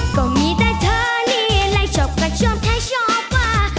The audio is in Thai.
ก็มีแต่เธอนี่ไลค์ชอบกระชวมแท้ชอบว่า